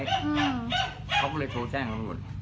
อืมเขาก็เลยโฉ่แจ้งตัวหมด